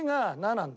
なんだ